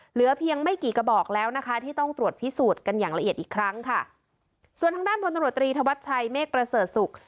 เหลือเพียงไม่กี่กระบอกแล้วนะคะที่ต้องตรวจพิสูจน์กันอย่างละเอียดอีกครั้งค่ะส่วนทางด้านพลตำรวจตรีธวัชชัยเมฆประเสริฐศุกร์